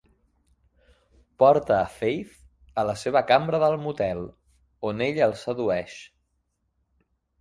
Porta a Faith a la seva cambra del motel, on ella el sedueix.